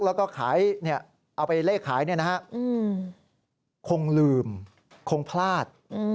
เราก็ขายเอาไปเลขขายเนี่ยคงลืมคงพลาด